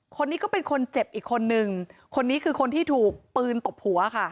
คนนี้ก็เป็นคนเจ็บอีกคนนึงคนนี้คือคนที่ถูกปืนตบหัวค่ะ